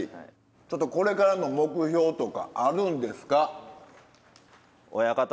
ちょっとこれからの目標とかあるんですか？